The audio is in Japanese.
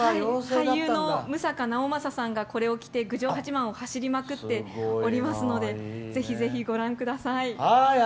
俳優の六平直政さんがこれを来て郡上八幡を走りまくっておりますのでぜひぜひご覧ください。